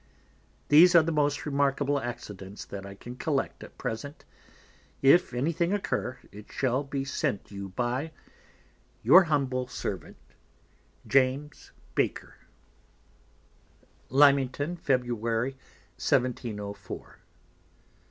These are the most remarkable Accidents that I can Collect at present; if any thing occur, it shall be sent you by _Your humble Servant, Lymington, Feb. 1704. James Baker.